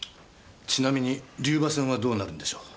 ちなみに龍馬戦はどうなるんでしょう？